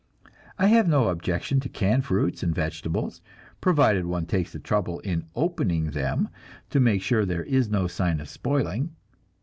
I have no objection to canned fruits and vegetables, provided one takes the trouble in opening them to make sure there is no sign of spoiling.